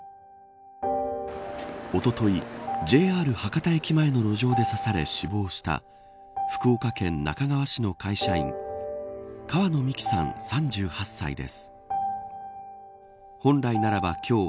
おととい、ＪＲ博多駅前の路上で刺され死亡した福岡県那珂川市の会社員川野美樹さん、３８歳です。